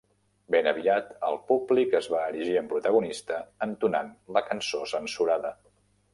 Ben aviat el públic es va erigir en protagonista entonant la cançó censurada.